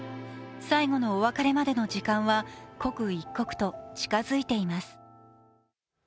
最後のお別れまでの時間は刻一刻と近づいています。